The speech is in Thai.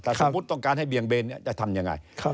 แต่สมมุติต้องการให้เบี่ยงเบนจะทำยังไง